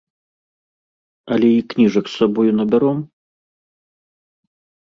Але і кніжак з сабой набяром?